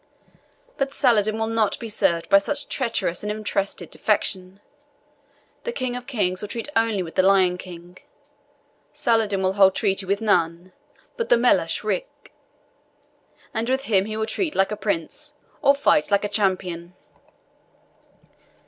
But Saladin will not be served by such treacherous and interested defection. The king of kings will treat only with the Lion King. Saladin will hold treaty with none but the Melech Ric, and with him he will treat like a prince, or fight like a champion.